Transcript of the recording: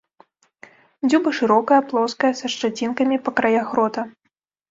Дзюба шырокая, плоская, са шчацінкамі па краях рота.